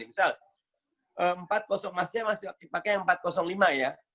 masih masih pakai yang empat ratus lima ya